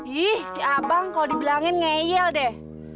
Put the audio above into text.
ih si abang kalau dibilangin ngeyel deh